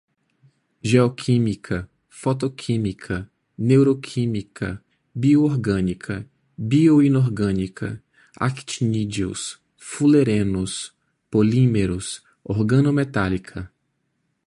geoquímica, fotoquímica, neuroquímica, bio-orgânica, bioinorgânica, actinídeos, fulerenos, polímeros, organometálica